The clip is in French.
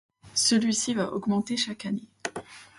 Celui-ci va augmenter chaque année.